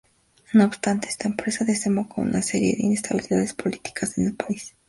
No obstante, esta empresa desembocó en una serie de inestabilidades políticas en el país.